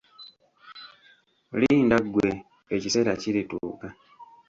Linda ggwe, ekiseera kirituuka.